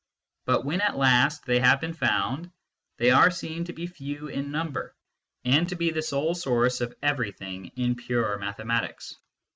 But when at last they have been found, they are seen to be few in number, and to be the sole source of everything in pure mathematics.